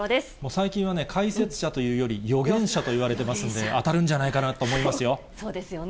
最近はね、解説者というより、予言者といわれてますんで、当たるんじゃないそうですよね。